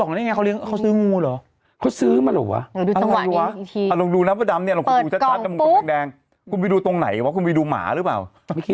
โอ้โหมันกัดดูดิ